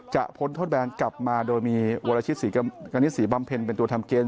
จะพ้นโทษแบรนด์กลับมาโดยมีโวลาชิตกณิตศรีบำเพ็ญเป็นตัวทำเกม